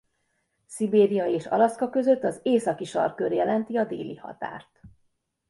Szibéria és Alaszka között az északi sarkkör jelenti a déli határt.